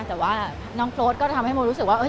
แต่ว่าน้องโปรดก็ทำให้โมรู้สึกว่า